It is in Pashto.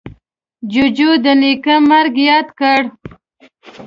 جوجو د نیکه مرگ ياد کړ.